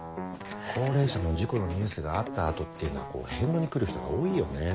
高齢者の事故のニュースがあった後っていうのは返納に来る人が多いよねぇ。